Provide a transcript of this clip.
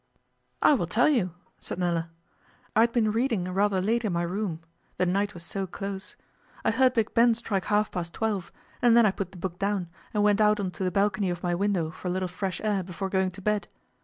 'I will tell you,' said Nella. 'I had been reading rather late in my room the night was so close. I heard Big Ben strike half past twelve, and then I put the book down, and went out on to the balcony of my window for a little fresh air before going to bed.